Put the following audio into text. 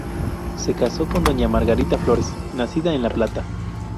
Se casó con doña Margarita Flores, nacida en La Plata.